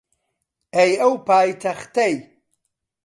ئەی ئەو پایتەختەی